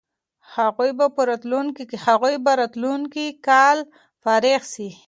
هغوی به راتلونکی کال فارغ سي.